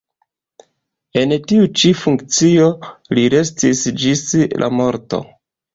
En tiu ĉi funkcio li restis ĝis la morto.